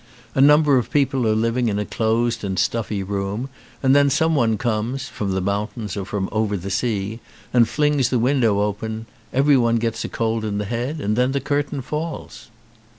A number of people are living in a closed and stuffy room, then some one comes (from the mountains or from over the sea) and flings the window open; everyone gets a cold in the head and the curtain falls."